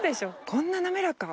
こんな滑らか。